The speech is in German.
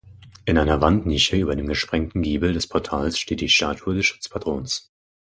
In einer Wandnische über dem gesprengten Giebel des Portals steht die Statue des Schutzpatrons.